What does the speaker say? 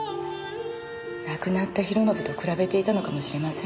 亡くなった弘信と比べていたのかもしれません。